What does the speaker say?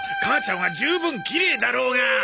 母ちゃんは十分きれいだろうが！